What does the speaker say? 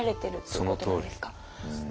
そのとおりですね。